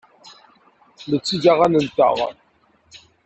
Nella netteg aɣan-nteɣ.